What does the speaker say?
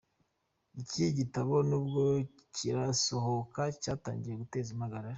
Iki gitabo nubwo kirasohoka cyatangiye guteza impagarara.